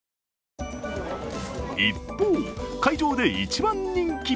一方、会場で一番人気。